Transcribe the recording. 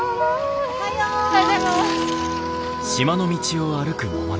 おはようございます。